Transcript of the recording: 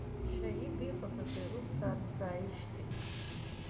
Шьааиб иҟаҵатәу еилыскаарц сааишьҭит.